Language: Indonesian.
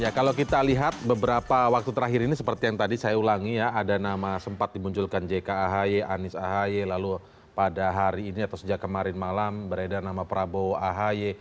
ya kalau kita lihat beberapa waktu terakhir ini seperti yang tadi saya ulangi ya ada nama sempat dimunculkan jk ahy anies ahy lalu pada hari ini atau sejak kemarin malam beredar nama prabowo ahi